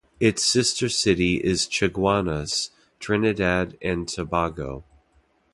Its sister city is Chaguanas, Trinidad and Tobago.